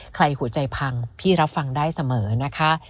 หัวใจพังพี่รับฟังได้เสมอนะคะ